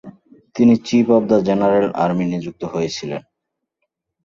তিনি chief of the general army নিযুক্ত হয়েছিলেন।